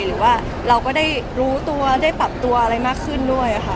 หรือว่าเราก็ได้รู้ตัวได้ปรับตัวอะไรมากขึ้นด้วยค่ะ